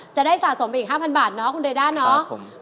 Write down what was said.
จะได้สะสมไปอีก๕๐๐๐บาทเนอะคุณไดด้าเนอะครับผม